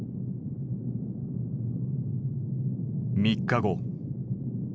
３日後。